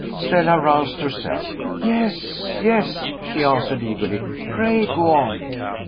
Stella roused herself. "Yes! yes!" she answered, eagerly. "Pray go on!"